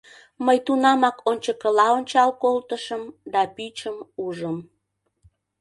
Мый тунамак ончыкыла ончал колтышым да пӱчым ужым.